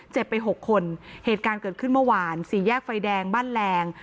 ไปหกคนเหตุการณ์เกิดขึ้นเมื่อวานสี่แยกไฟแดงบ้านแรง